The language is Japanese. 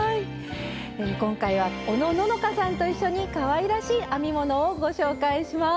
今回はおのののかさんと一緒にかわいらしい編み物をご紹介します。